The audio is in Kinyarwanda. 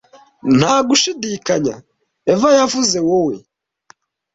nta gushidikanya eva yavuze wowe